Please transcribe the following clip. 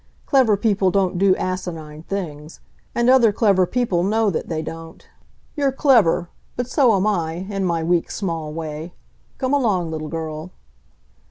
Clever people don't do asinine things. And other clever people know that they don't. You're clever, but so am I in my weak, small way. Come along, little girl."